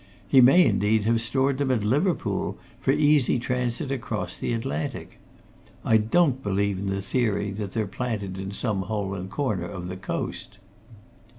He may, indeed, have stored them at Liverpool, for easy transit across the Atlantic. I don't believe in the theory that they're planted in some hole and corner of the coast."